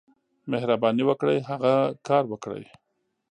مهرباني وکړئ، هغه کار وکړئ.